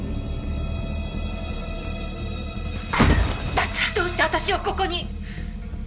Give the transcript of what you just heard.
だったらどうして私をここに！？